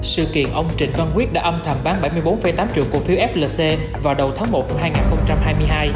sự kiện ông trịnh văn quyết đã âm thầm bán bảy mươi bốn tám triệu cổ phiếu flc vào đầu tháng một năm hai nghìn hai mươi hai